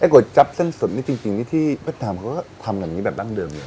ก๋วจั๊บเส้นสดนี่จริงนี่ที่เพชรดำเขาก็ทำอย่างนี้แบบดั้งเดิมเลย